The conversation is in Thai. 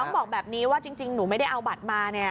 บอกแบบนี้ว่าจริงหนูไม่ได้เอาบัตรมาเนี่ย